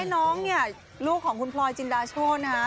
น้องนี่ลูกของคุณพลอยจินดาโชทนะครับ